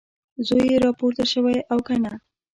زوی یې راپورته شوی او که نه؟